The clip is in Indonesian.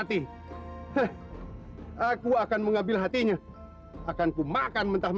dia akan being tob olmoh